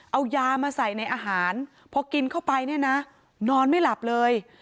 เอายามาใส่ในอาหารพอกินเข้าไปเนี่ยนะนอนไม่หลับเลย